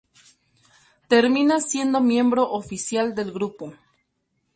Termina siendo miembro oficial del grupo.